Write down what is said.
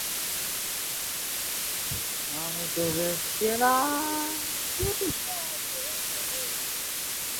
মাতুলালয় থেকেই তিনি প্রেসিডেন্সি কলেজে বিজ্ঞানের স্নাতক হন।